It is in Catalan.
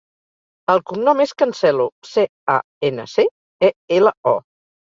El cognom és Cancelo: ce, a, ena, ce, e, ela, o.